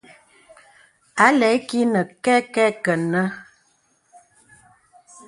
A lɛ̂ ìkì nə kɛkɛ kə̀nɛ̂.